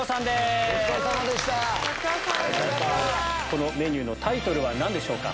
このメニューのタイトルは何でしょうか？